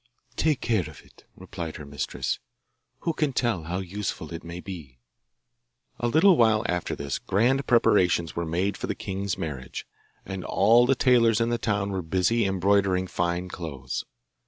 'Take care of it,' replied her mistress. 'Who can tell how useful it may be?' A little while after this grand preparations were made for the king's marriage, and all the tailors in the town were busy embroidering fine clothes.